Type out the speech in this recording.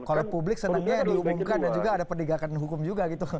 kalau publik senangnya diumumkan dan juga ada penegakan hukum juga gitu